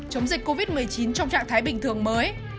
chống dịch covid một mươi chín trong trạng thái bình thường mới